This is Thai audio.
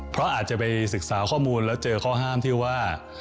เพราะอาจจะไปศึกษาข้อมูลแล้วเจอข้อห้ามที่ว่า